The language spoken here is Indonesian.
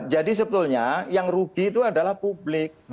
jadi sebetulnya yang rugi itu adalah publik